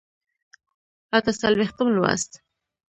اته څلوېښتم لوست